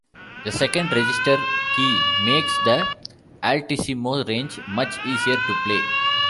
The second register key makes the altissimo range much easier to play.